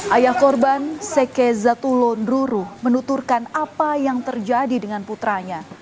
ayah korban seke zatulondruruh menuturkan apa yang terjadi dengan putranya